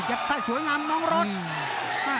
ยัดทรายสวยงามน้องรถ